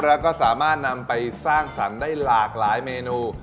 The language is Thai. แล้วก็สามารถนำไปสร้างสรรค์ได้หลากหลายเมนู